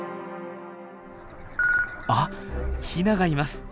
あっヒナがいます！